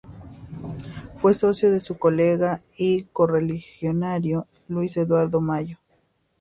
Fue socio de su colega y correligionario Luis Eduardo Mallo.